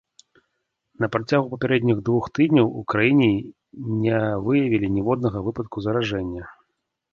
На працягу папярэдніх двух тыдняў у краіне ня выявілі ніводнага выпадку заражэння.